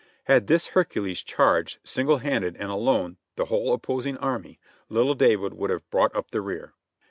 Had this Hercules charged singled handed and alone the whole opposing army, little David would have brought up the rear.